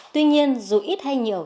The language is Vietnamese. tuy nhiên dù ít hay nhiều